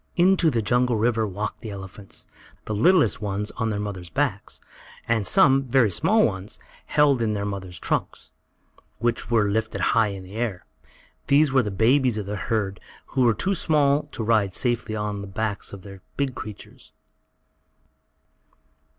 Into the jungle river walked the elephants, the littlest ones on their mothers' backs, and some, very small ones, held in their mothers' trunks, which were lifted high in the air. These were the babies of the herd who were too small to ride safely on the backs of the big creatures.